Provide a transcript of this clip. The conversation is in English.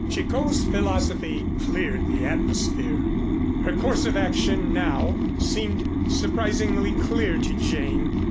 Chicot's philosophy cleared the atmosphere. Her course of action now seemed surprisingly clear to Jane.